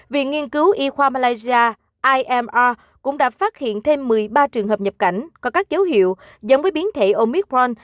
điện cứu y khoa malaysia cũng đã phát hiện thêm một mươi ba trường hợp nhập cảnh có các dấu hiệu giống với biến thể omicron